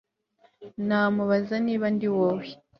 Namubaza niba ndiwowe